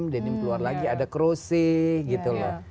denim keluar lagi ada crossi gitu loh